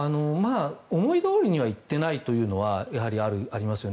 思いどおりにはいっていないというのはやはりありますよね。